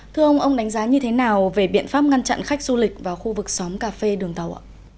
thưa ông ông đánh giá như thế nào về biện pháp ngăn chặn khách du lịch vào khu vực xóm cà phê đường tàu ạ